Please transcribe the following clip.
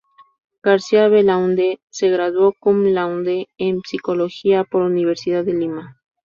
García-Belaunde se graduó Cum Laude en Psicología por Universidad de Lima.